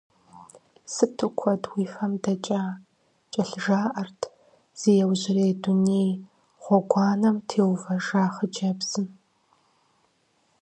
Сыту куэд уи фэ дэкӏа! — кӏэлъыжаӏэрт, зи иужьрей дуней гъуэгуанэм теувэжа хъыджэбзым.